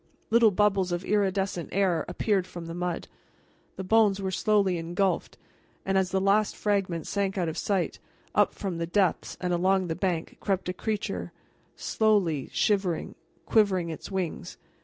Little bubbles of iridescent air appeared from the mud; the bones were slowly engulfed, and, as the last fragments sank out of sight, up from the depths and along the bank crept a creature, shiny, shivering, quivering its wings.